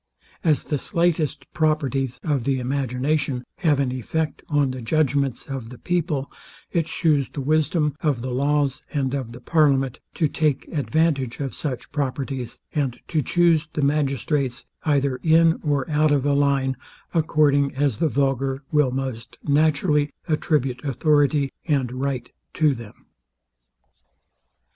As the slightest properties of the imagination have an effect on the judgments of the people, it shews the wisdom of the laws and of the parliament to take advantage of such properties, and to chuse the magistrates either in or out of a line, according as the vulgar will most naturally attribute authority and right to them.